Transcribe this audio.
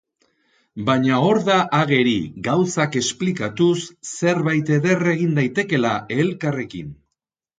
Baina hor da ageri, gauzak esplikatuz, zerbait eder egin daitekeela elkarrekin.